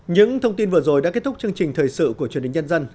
những thông tin vừa rồi đã kết thúc chương trình thời sự của truyền hình nhân dân